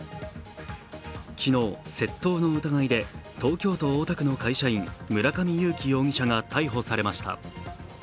昨日、窃盗の疑いで東京都大田区の会社員村上友貴容疑者が逮捕されました。